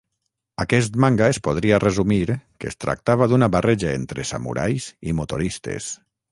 Aquest manga es podria resumir que es tractava d'una barreja entre samurais i motoristes.